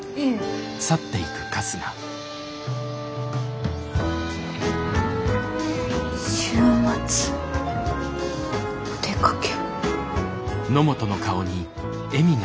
いえ。週末お出かけ。